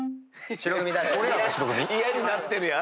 嫌になってるやん。